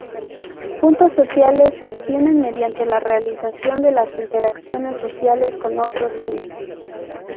Puntos sociales se obtienen mediante la realización de las interacciones sociales con otros Sims.